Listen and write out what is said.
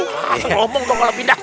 terlombong dong kalau pindah